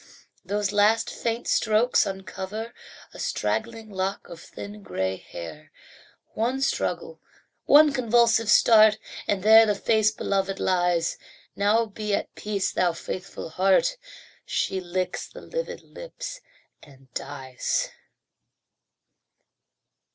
those last faint strokes uncover A straggling lock of thin grey hair. One struggle, one convulsive start, And there the face beloved lies Now be at peace, thou faithful heart! She licks the livid lips, and dies.